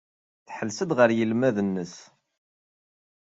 Tḥelles-d ɣer yinelmaden-nnes.